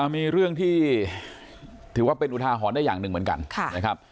มีเรื่องที่ถือว่าเป็นอุทาหรณ์ได้อย่างหนึ่งเหมือนกันนะครับ